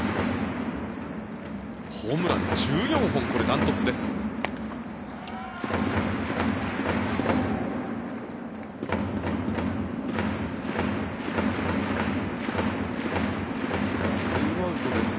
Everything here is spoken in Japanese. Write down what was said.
ホームラン１４本これ、断トツです。